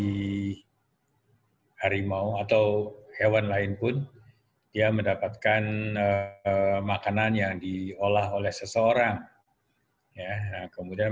hai harimau atau hewan lain pun dia mendapatkan makanan yang diolah oleh seseorang ya kemudian